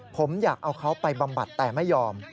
ผมอยากเอาเขาไปบำบัดแต่ไม่ยอม